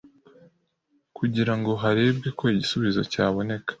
kugira ngo harebwe ko igisubizo cyaboneka